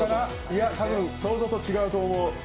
たぶん想像と違うと思う。